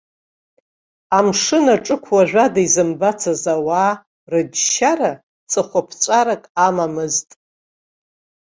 Амшын аҿықә уажәада изымбацыз ауаа рыџьшьара ҵыхәаԥҵәарак амамызт.